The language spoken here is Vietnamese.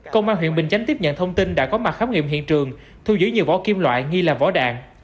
công an huyện bình chánh tiếp nhận thông tin đã có mặt khám nghiệm hiện trường thu giữ nhiều vỏ kim loại nghi là vỏ đạn